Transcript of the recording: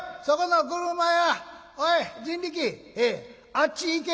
「あっち行け！」。